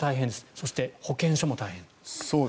そして、保健所も大変と。